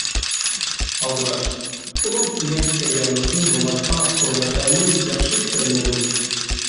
ئالدىراش، ئۇنىڭ ئۈستىگە تەييارلىقسىز بولغاچقا تورداشلارنى ياخشى كۈتەلمىدىم.